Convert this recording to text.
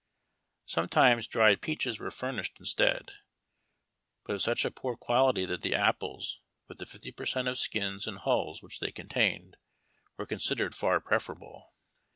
Sometimes dried peaches were furnished instead, but of such a poor quality that the apples, with the fifty per cent of skins and hulls which they contained, were considei'ed far preferable.